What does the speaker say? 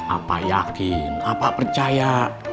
apa yakin apa percaya